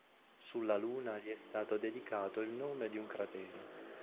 Sulla Luna gli è stato dedicato il nome di un cratere.